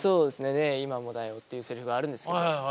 「ねぇ、今もだよ」っていうセリフがあるんですけど。